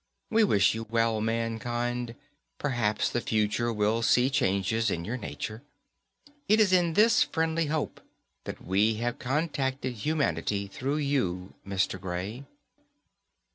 We wish you well, mankind; perhaps the future will see changes in your nature. It is in this friendly hope that we have contacted humanity through you, Mr. Gray.